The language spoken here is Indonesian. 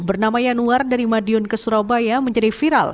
bernama yanuar dari madiun ke surabaya menjadi viral